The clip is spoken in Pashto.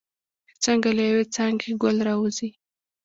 چې څنګه له یوې څانګې ګل راوځي.